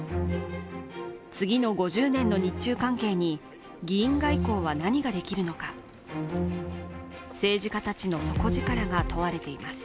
次の５０年の日中関係に議員外交は何ができるのか政治家たちの底力が問われています